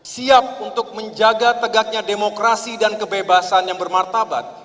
siap untuk menjaga tegaknya demokrasi dan kebebasan yang bermartabat